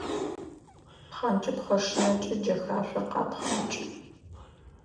Пхъэнкӏыпхъэ шынэкӏэ джэхашъор къапхъэнкӏы.